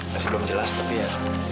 masih belum jelas tapi ya